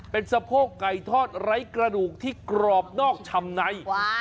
เป็นสะโพกไก่ทอดไร้กระดูกที่กรอบนอกชำใน